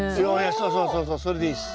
そうそうそうそうそれでいいです。